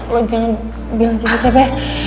lo jangan bilang siapa siapa ya